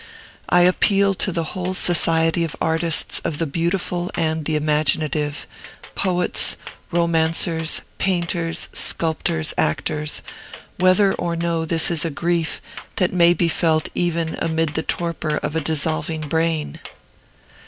I appeal to the whole society of artists of the Beautiful and the Imaginative, poets, romancers, painters, sculptors, actors, whether or no this is a grief that may be felt even amid the torpor of a dissolving brain!